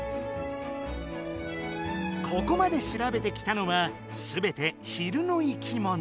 ここまでしらべてきたのはすべて昼の生きもの。